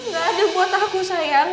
gak ada buat aku sayang